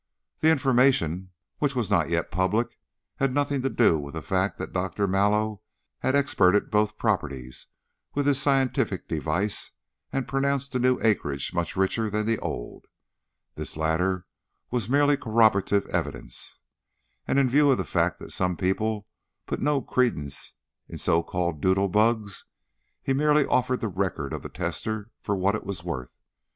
The information, which was not yet public, had nothing to do with the fact that Doctor Mallow had experted both properties with his scientific device and pronounced the new acreage much richer than the old this latter was merely corroborative evidence, and in view of the fact that some people put no credence in so called "doodle bugs," he merely offered the record of the tester for what it was worth.